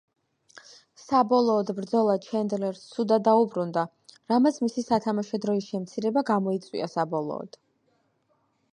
საბოლოოდ ბრძოლა ჩენდლერს ცუდად დაუბრუნდა, რამაც მისი სათამაშო დროის შემცირება გამოიწვია საბოლოოდ.